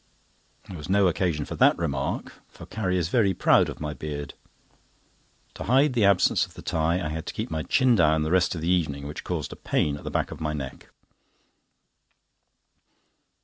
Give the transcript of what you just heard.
There was no occasion for that remark, for Carrie is very proud of my beard. To hide the absence of the tie I had to keep my chin down the rest of the evening, which caused a pain at the back of my neck.